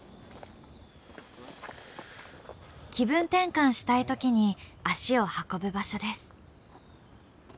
気分転換したい時に足を運ぶ場所です。